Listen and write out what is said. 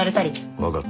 分かった。